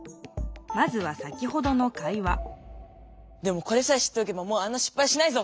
まずは先ほどの会話でもこれさえ知っておけばもうあんなしっぱいしないぞ！